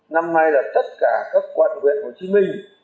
năm nay là tất cả các quận huyện hồ chí minh